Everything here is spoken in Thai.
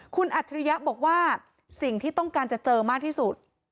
คุณอัจฉริยะบอกว่าสิ่งที่ต้องการจะเจอมากที่สุด